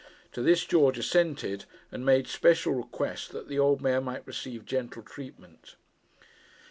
To this George assented, and made special request that the old mare might receive gentle treatment.